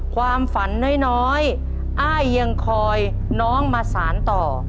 ความฝันน้อยอ้ายยังคอยน้องมาสารต่อ